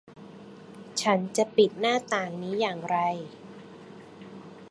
ฉันจะปิดหน้าต่างนี้อย่างไร